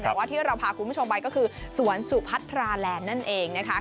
แต่ว่าที่เราพาคุณผู้ชมไปก็คือสวนสุพัทราแลนด์นั่นเองนะคะ